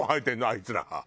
あいつらが。